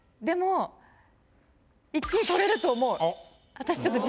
私。